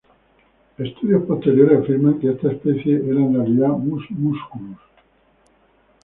Estudios posteriores afirman que esta especie era en realidad "Mus musculus".